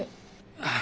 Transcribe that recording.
ああ。